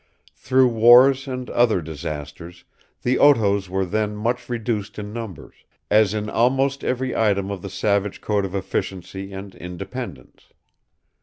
Through wars and other disasters, the Otoes were then much reduced in numbers, as in almost every item of the savage code of efficiency and independence.